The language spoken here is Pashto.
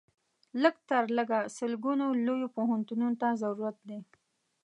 لږ تر لږه سلګونو لویو پوهنتونونو ته ضرورت دی.